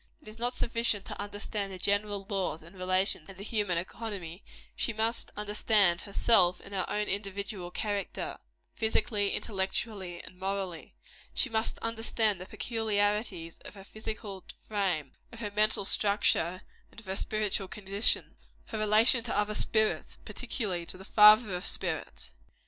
It is not sufficient to understand the general laws and relations of the human economy; she must understand herself in her own individual character physically, intellectually and morally. She must understand the peculiarities of her physical frame, of her mental structure, and of her spiritual condition her relation to other spirits, particularly to the Father of spirits.